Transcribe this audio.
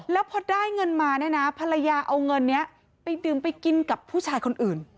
แล้วพอได้เงินมาเนี่ยนะภรรยาเอาเงินนี้ไปดื่มไปกินกับผู้ชายคนอื่น